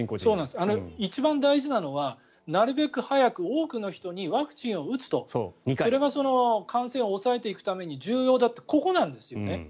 一番大事なのはなるべく早く、多くの人にワクチンを打つとそれが感染を抑えていくために重要だとここなんですよね。